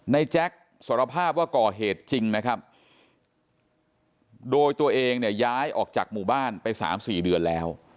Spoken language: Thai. แจ็คสารภาพว่าก่อเหตุจริงนะครับโดยตัวเองเนี่ยย้ายออกจากหมู่บ้านไป๓๔เดือนแล้ว